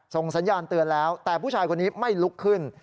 สัญญาณเตือนแล้วแต่ผู้ชายคนนี้ไม่ลุกขึ้น